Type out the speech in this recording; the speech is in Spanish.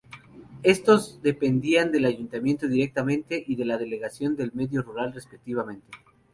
Estos dependían del Ayuntamiento directamente y de la Delegación de Medio Rural respectivamente.